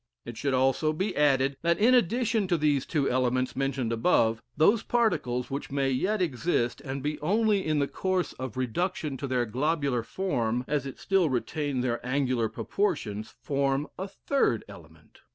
It should also be added, that in addition to the two elements mentioned above, those particles which may yet exist, and be only in the course of reduction to their globular form an it still retain their angular proportions, form a third element.